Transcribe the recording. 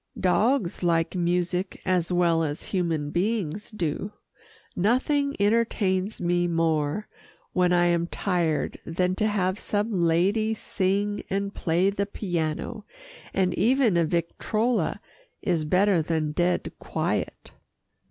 Dogs like music as well as human beings do. Nothing entertains me more when I am tired than to have some lady sing and play the piano, and even a victrola is better than dead quiet.